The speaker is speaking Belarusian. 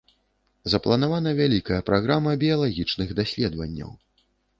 Запланавана вялікая праграма біялагічных даследаванняў.